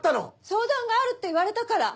相談があるって言われたから！